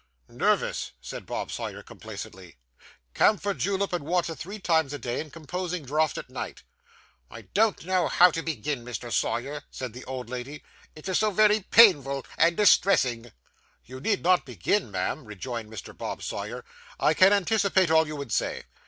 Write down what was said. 'Nervous,' said Bob Sawyer complacently. 'Camphor julep and water three times a day, and composing draught at night.' 'I don't know how to begin, Mr. Sawyer,' said the old lady. 'It is so very painful and distressing.' 'You need not begin, ma'am,' rejoined Mr. Bob Sawyer. 'I can anticipate all you would say.